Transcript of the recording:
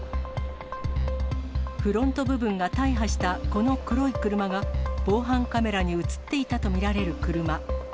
フロント部分が大破したこの黒い車が、防犯カメラに写っていたと見られる車。